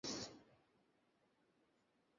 তোকে মেরে ফেলব আমি।